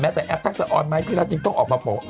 แม้แต่แอปตั้งสะออนไหมพี่รัติกต้องออกมาโป้ย